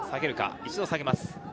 一度下げます。